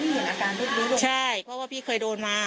พี่ทีมข่าวของที่รักของ